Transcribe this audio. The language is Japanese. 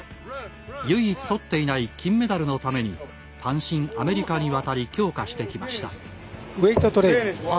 唯一とっていない金メダルのために単身アメリカに渡り強化してきました。